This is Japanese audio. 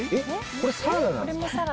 これサラダなんですか？